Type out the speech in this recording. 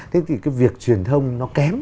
thế thì cái việc truyền thông nó kém